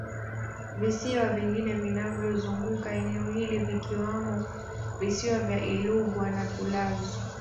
Visiwa vingine vinavyozunguka eneo hili vikiwamo Visiwa vya Ilugwa na Kulazu